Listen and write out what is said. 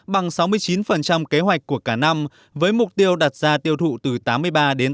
bằng sáu mươi chín kế hoạch của cả năm với mục tiêu đặt ra tiêu thụ từ tám mươi ba đến tám mươi năm triệu tấn sản phẩm xi măng